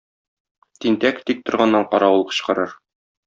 Тинтәк тик торганнан каравыл кычкырыр.